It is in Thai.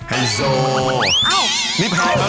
ไฮโซนี่พาไปแล้วนะ